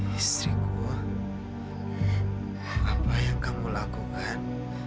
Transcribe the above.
istriku apa yang kamu lakukan